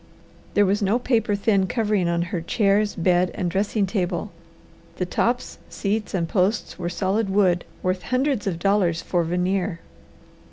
There was no paper thin covering on her chairs, bed, and dressing table. The tops, seats, and posts were solid wood, worth hundreds of dollars for veneer.